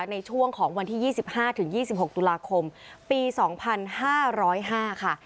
ในช่วงของวันที่๒๕๒๖ตุลาคมปี๒๕๐๕ค่ะ